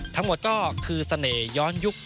ทั้งหมดก็คือเสน่หย้อนยุค